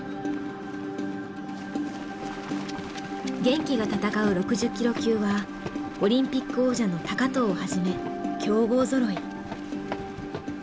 玄暉が戦う６０キロ級はオリンピック王者の藤をはじめ強豪ぞろい。